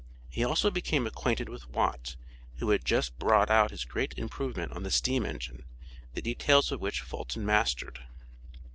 He also became acquainted with Watt, who had just brought out his great improvement on the steam engine, the details of which Fulton mastered.